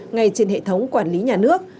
ngay trên hệ thống quản lý nhà nước